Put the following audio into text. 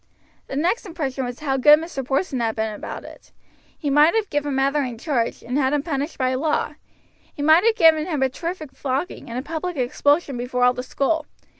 The next impression was how good Mr. Porson had been about it. He might have given Mother in charge, and had him punished by law. He might have given him a terrific flogging and a public expulsion before all the school.